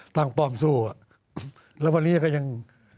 ป้อมสู้อ่ะแล้ววันนี้ก็ยัง